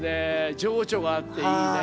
情緒があっていいね。